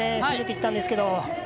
攻めてきたんですけど。